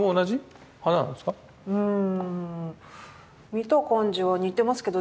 見た感じは似てますけどでも。